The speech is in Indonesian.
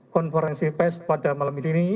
konferensi pes pada malam ini